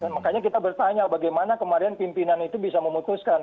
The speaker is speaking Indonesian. makanya kita bertanya bagaimana kemarin pimpinan itu bisa memutuskan